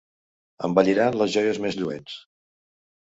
Embelliran les joies més lluents.